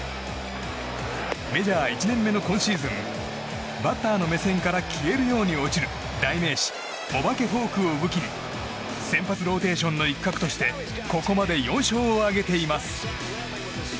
メジャー１年目の今シーズンバッターの目線から消えるように落ちる代名詞、お化けフォークを武器に先発ローテーションの一角としてここまで４勝を挙げています。